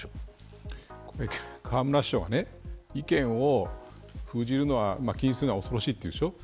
河村市長が意見を封じるのは恐ろしいと言うでしょう。